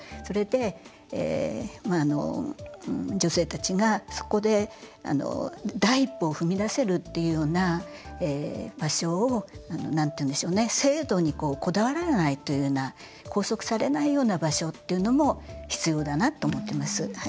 それで女性たちがそこで第一歩を踏み出せるっていうような場所を制度にこだわらないというような拘束されないような場所っていうのも必要だなと思ってます。